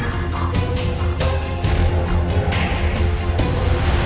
mama punya rencana